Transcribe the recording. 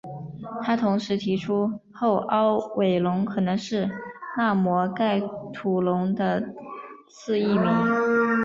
他同时提出后凹尾龙可能是纳摩盖吐龙的次异名。